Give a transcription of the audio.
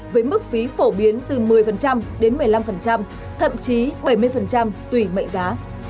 với mức phí phổ biến từ một mươi đến một mươi năm thậm chí bảy mươi tùy mệnh giá